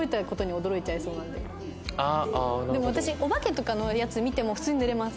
でも私お化けのやつとか見ても普通に寝れます。